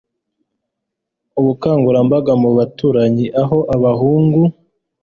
ubukangurambaga mu baturanyi aho abahungu